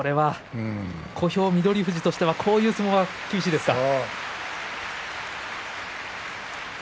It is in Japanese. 小兵、翠富士としてはこういう相撲は厳しいですか。